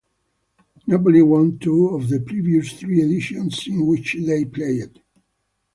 Napoli won two of the previous three editions in which they played.